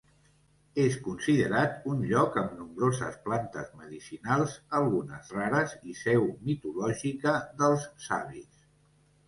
És considerat un lloc amb nombroses plantes medicinals, algunes rares, i seu mitològica dels savis.